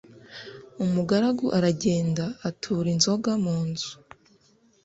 Umugaragu aragenda atura inzoga mu nzu.